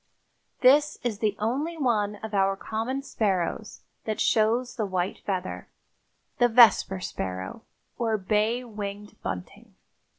This is the only one of our common sparrows that shows the white feather—the vesper sparrow, or bay winged bunting.